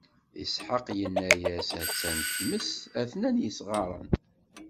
Isḥaq inna-yas: A-tt-an tmes, a-ten-an yesɣaren.